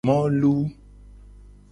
Molu.